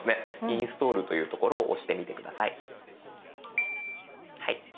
インストールというところを押してみて下さい。